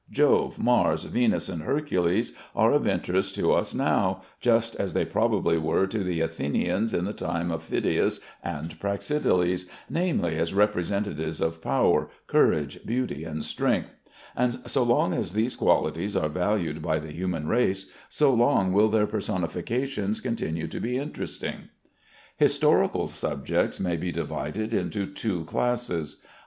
Jove, Mars, Venus, and Hercules are of interest to us now, just as they probably were to the Athenians in the time of Phidias and Praxiteles, namely, as representatives of power, courage, beauty, and strength; and so long as these qualities are valued by the human race, so long will their personifications continue to be interesting. Historical subjects may be divided into two classes: 1.